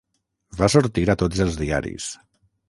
Va sortir a tots els diaris.